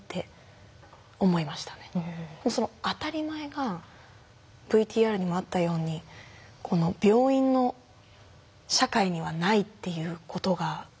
その当たり前がＶＴＲにもあったように病院の社会にはないっていうことがすごく悲しいですね。